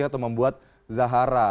atau membuat zahara